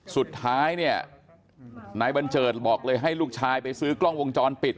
สุดท้ายเนี่ยนายบัญเจิดบอกเลยให้ลูกชายไปซื้อกล้องวงจรปิด